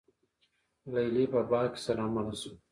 لیلی په باغ کي سره مڼه شوه